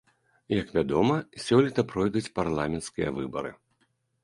Як вядома, сёлета пройдуць парламенцкія выбары.